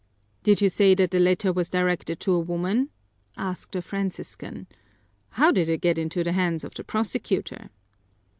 "Did you say that the letter was directed to a woman?" asked a Franciscan. "How did it get into the hands of the prosecutor?"